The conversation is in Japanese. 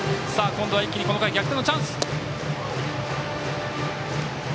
今度は一気にこの回、逆転のチャンス。